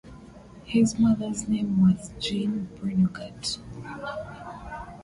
His mother's name was Jeanne Brenugat.